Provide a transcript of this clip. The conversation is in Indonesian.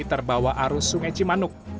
terbawa arus sungai cimanuk